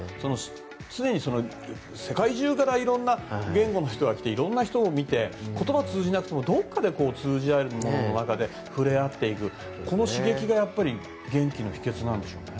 常に世界中からいろいろな言語の人が来ていろんな人を見て言葉が通じなくてもどこかで通じ合える中で触れ合っていく、この刺激が元気の秘訣なんでしょうね。